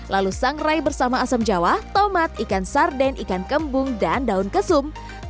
lalu sangrai bersama asam jawa tomat ikan sarden ikan kembung dan daun kesum